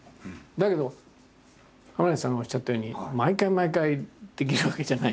だけど亀梨さんがおっしゃったように毎回毎回できるわけじゃないし。